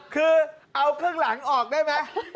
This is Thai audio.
คือเอาครึ่งหลังออกได้ไหม